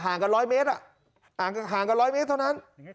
ห่างกันร้อยเมตรอ่ะห่างกันห่างกันร้อยเมตรเท่านั้น